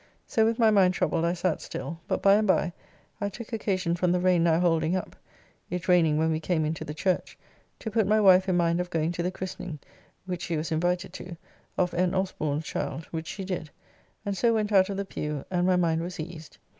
So with my mind troubled I sat still, but by and by I took occasion from the rain now holding up (it raining when we came into the church) to put my wife in mind of going to the christening (which she was invited to) of N. Osborne's child, which she did, and so went out of the pew, and my mind was eased.